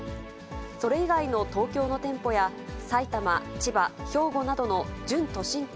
それ以外の東京の店舗や、埼玉、千葉、兵庫などの準都心店